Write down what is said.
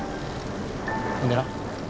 ほんでな